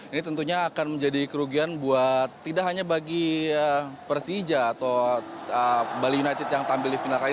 ini tentunya akan menjadi kerugian tidak hanya bagi persija atau bali united yang tampil di final kali ini